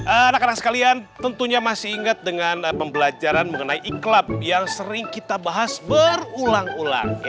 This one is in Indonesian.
anak anak sekalian tentunya masih ingat dengan pembelajaran mengenai ikhlap yang sering kita bahas berulang ulang